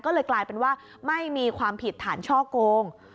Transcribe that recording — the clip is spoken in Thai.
ก็เลยกลายเป็นว่าไม่มีความผิดฐานช่อโกง